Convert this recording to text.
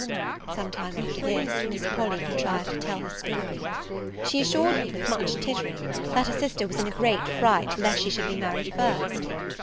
Some time after this, Miss Polly contrived to tell her story. She assured me, with much tittering, that her sister was in a great fright lest she should be married first.